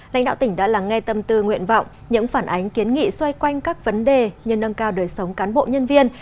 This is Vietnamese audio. lãnh đạo tỉnh đã lắng nghe tâm tư nguyện vọng những phản ánh kiến nghị xoay quanh các vấn đề như nâng cao đời sống cán bộ nhân viên